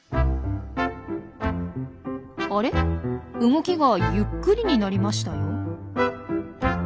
あれ動きがゆっくりになりましたよ。